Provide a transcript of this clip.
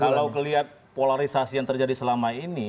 kalau kelihatan polarisasi yang terjadi selama ini